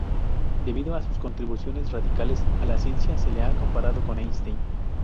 Debido a sus contribuciones radicales a la ciencia se le ha comparado con Einstein.